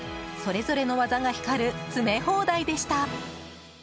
それぞれの技が光る詰め放題でした。